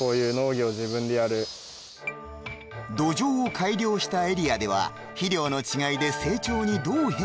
土壌を改良したエリアでは肥料の違いで成長にどう変化が表れるのか？